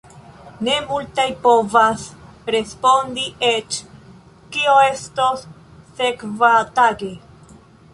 Ne multaj povas respondi eĉ kio estos sekvatage.